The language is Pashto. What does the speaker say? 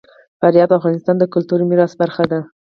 فاریاب د افغانستان د کلتوري میراث برخه ده.